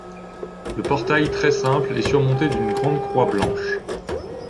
Le portail très simple est surmonté d'une grande croix blanche.